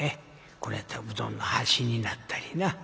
これやったらうどんの箸になったりな。